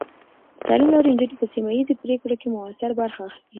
د تعلیم له لارې، نجونې په سیمه ایزې پرېکړو کې مؤثره برخه اخلي.